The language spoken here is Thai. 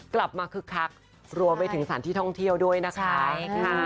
คึกคักรวมไปถึงสถานที่ท่องเที่ยวด้วยนะคะใช่ค่ะ